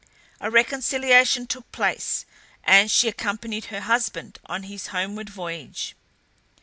A reconciliation took place, and she accompanied her husband on his homeward voyage.